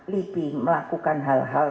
lipi melakukan hal hal